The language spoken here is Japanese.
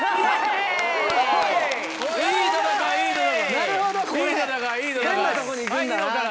なるほどこれ変なとこに行くんだな。